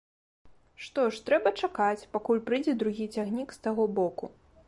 Што ж, трэба чакаць, пакуль прыйдзе другі цягнік з таго боку.